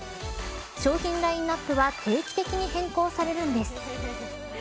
商品ラインアップは定期的に変更されるんです。